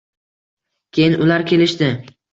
Keyin ular kelishdi